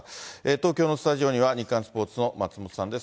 東京のスタジオには、日刊スポーツの松本さんです。